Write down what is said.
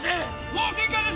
・もう限界です！